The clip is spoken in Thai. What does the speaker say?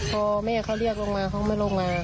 พอแม่เขาเรียกลงมาเขาไม่ลงมา